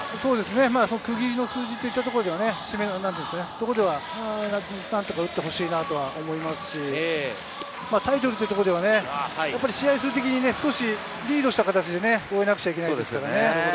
区切りの数字といったところでは何とか打ってほしいなと思いますし、タイトルというところでは、試合数的に少しリードした形で終えなくちゃいけないですよね。